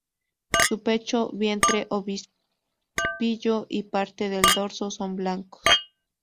Su pecho, vientre, obispillo y parte del dorso son blancos.